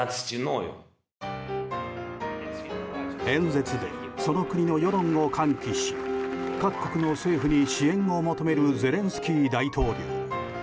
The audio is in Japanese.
演説でその国の世論を喚起し各国の政府に支援を求めるゼレンスキー大統領。